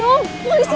polisi dia turun